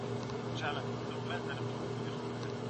رښتیني مشران به د خلګو په زړونو کي ځای ونیسي.